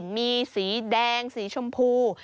มีสีแดงสีชมพู